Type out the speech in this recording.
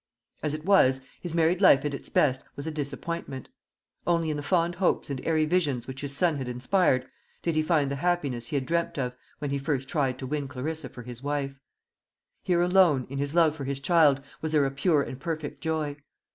As it was, his married life at its best was a disappointment. Only in the fond hopes and airy visions which his son had inspired, did he find the happiness he had dreamt of when he first tried to win Clarissa for his wife. Here alone, in his love for his child, was there a pure and perfect joy.